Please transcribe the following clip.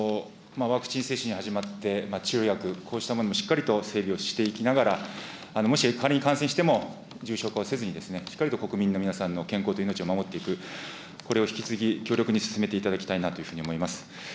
ワクチン接種に始まって、治療薬、こうしたものもしっかりと整備をしていきながら、もし仮に感染しても、重症化をせずに、しっかりと国民の皆さんの健康と命を守っていく、これを引き続き強力に進めていただきたいと思います。